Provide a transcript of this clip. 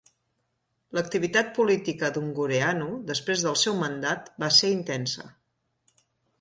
L'activitat política d'Ungureanu després del seu mandat va ser intensa.